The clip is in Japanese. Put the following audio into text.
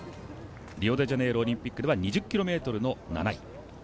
リオデジャネイロオリンピックでは２０ｋｍの７位。